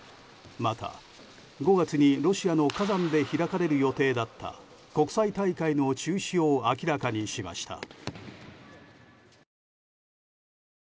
また、５月にロシアのカザンで開かれる予定だった国際大会の中止を明らかにしました。